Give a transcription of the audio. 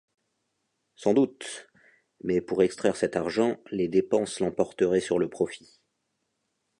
Sans doute, mais pour extraire cet argent, les dépenses l’emporteraient sur le profit.